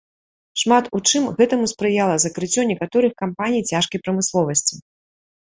Шмат у чым гэтаму спрыяла закрыццё некаторых кампаній цяжкай прамысловасці.